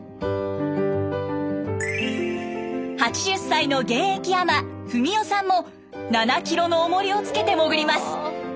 ８０歳の現役海女・文代さんも７キロのおもりをつけて潜ります。